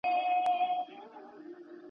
د غم کور به وي سوځلی د ښادۍ قاصد راغلی.